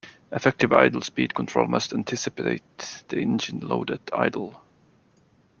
Effective idle speed control must anticipate the engine load at idle.